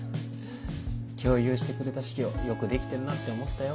共有してくれた資料よくできてんなって思ったよ。